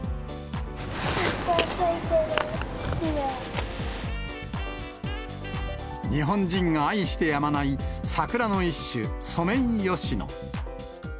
いっぱい咲いてる、日本人が愛してやまない桜の一種、ソメイヨシノ。